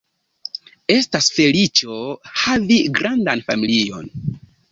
Estas feliĉo havi grandan familion.